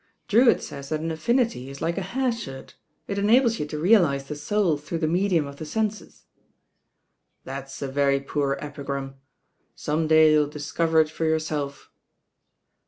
"Drcwitt says that an affinity is like a haiwhirt; It enables you to realise the soul through the medium of the senses." "That's a very poor epigram. Some day you'll discover it for yourself."